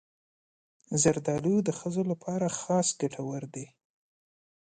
زردالو د ښځو لپاره خاص ګټور دی.